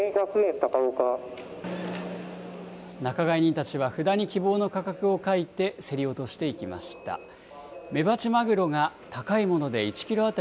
仲買人たちは、札に希望の価格を書いて競り落としていきました。